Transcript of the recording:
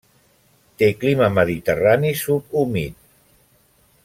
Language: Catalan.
Té clima mediterrani subhumit.